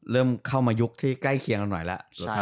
เริ่มเข้าที่มายุกที่ใกล้เคียงอีกหน่อยล่ะ